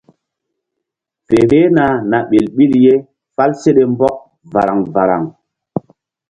Fe vbehna na ɓel ɓil ye fál seɗe mbɔk varaŋ varaŋ.